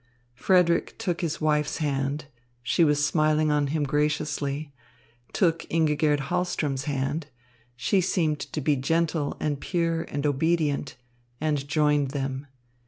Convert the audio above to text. Frederick took his wife's hand she was smiling on him graciously took Ingigerd Hahlström's hand she seemed to be gentle and pure and obedient and joined them.